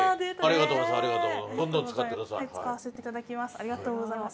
ありがとうございます。